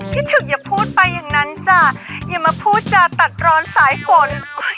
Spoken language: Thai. คิดถึงอย่าพูดไปอย่างนั้นจ้ะอย่ามาพูดจ้าตัดร้อนสายฝน